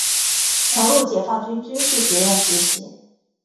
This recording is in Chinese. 曾入解放军军事学院学习。